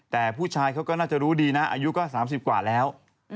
แต่ผู้ชายเขาก็น่าจะรู้ดีนะอายุก็๓๐กว่าแล้ว